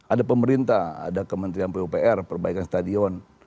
ada pemerintah ada kementerian pupr perbaikan stadion